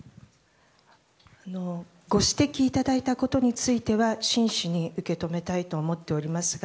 ご指摘いただいたことについては真摯に受け止めたいと思っておりますが